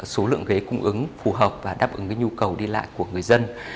số lượng ghế cung ứng phù hợp và đáp ứng nhu cầu đi lại của người dân